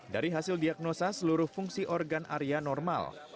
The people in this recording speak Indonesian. dari hasil diagnosa seluruh fungsi organ arya normal